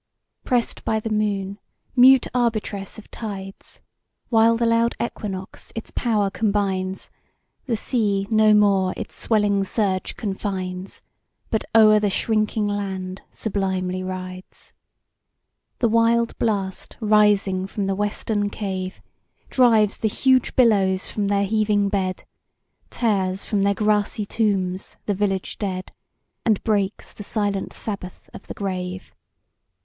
PRESS'D by the moon, mute arbitress of tides, While the loud equinox its power combines, The sea no more its swelling surge confines, But o'er the shrinking land sublimely rides. The wild blast, rising from the western cave, Drives the huge billows from their heaving bed; Tears from their grassy tombs the village dead, And breaks the silent sabbath of the grave!